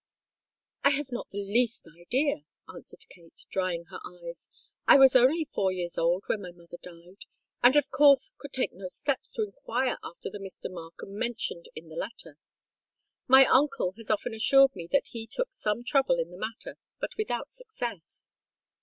"I have not the least idea," answered Kate, drying her tears. "I was only four years old when my mother died, and of course could take no steps to inquire after the Mr. Markham mentioned in the letter. My uncle has often assured me that he took some trouble in the matter, but without success.